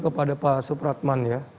kepada pak supratman ya